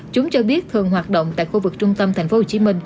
chúng cho biết thường hoạt động tại khu vực trung tâm tp hcm